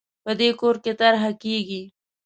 په دې کور کې طرحه کېږي